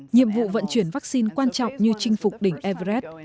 nhiệm vụ vận chuyển vắc xin quan trọng như chinh phục đỉnh everest